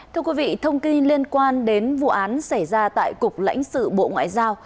thưa quý vị thông tin liên quan đến vụ án xảy ra tại cục lãnh sự bộ ngoại giao